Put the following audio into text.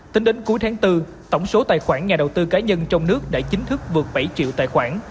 tính đến cuối tháng bốn tổng số tài khoản nhà đầu tư cá nhân trong nước đã chính thức vượt bảy triệu tài khoản